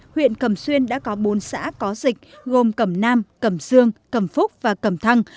huyện cẩm xuyên đã có bốn xã có dịch gồm cẩm nam cẩm sương cẩm phúc và cẩm thăng